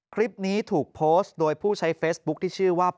คลิปนี้ถูกโพสต์โดยผู้ใช้เฟซบุ๊คที่ชื่อว่า